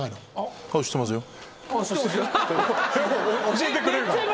教えてくれるかな？